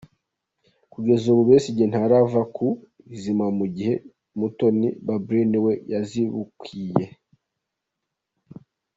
Kugeza ubu Besigye ntarava ku izima mu gihe Mutoni Balbine we yazibukiye.